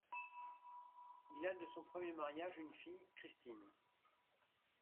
Il a de son premier mariage une fille, Christine.